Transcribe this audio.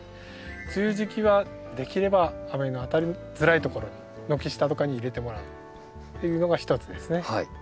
梅雨時期はできれば雨の当たりづらいところに軒下とかに入れてもらうっていうのが一つですね。